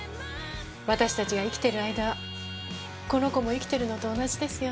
私たちが生きている間はこの子も生きているのと同じですよね。